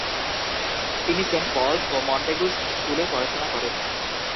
তিনি Saint Paul's ও Montague's স্কুলে পড়াশোনা করেন।